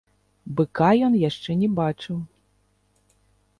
Быка ён яшчэ не бачыў.